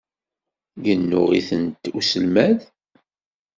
Yennuɣ-itent uselmad.